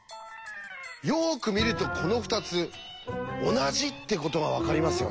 よく見るとこの２つ同じってことが分かりますよね。